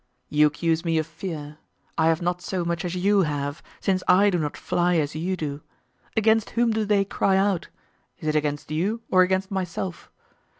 You accuse me of fear; I have not so much as you have, since I do not fly as you do. Against whom do they cry out? is it against you or against myself?